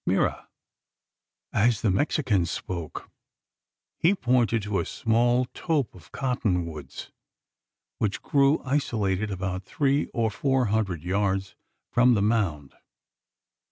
Mira!" As the Mexican spoke, he pointed to a small tope of cotton woods, which grew isolated about three or four hundred yards from the mound.